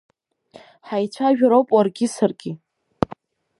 Ҳаицәажәароуп уаргьы саргьы.